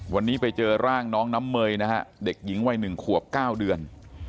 วันนี้ไปเจอร่างน้องน้ำเมยนะฮะเด็กหญิงวัย๑ขวบ๙เดือน